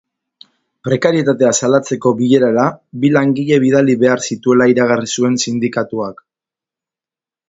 Prekarietatea salatzeko bilerara bi langile bidali behar zituela iragarri zuen sindikatuak.